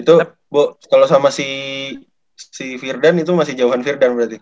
itu bu kalo sama si firdan itu masih jauhan firdan berarti